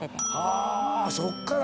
あそっから。